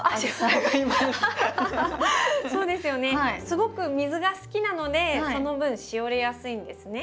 すごく水が好きなのでその分しおれやすいんですね。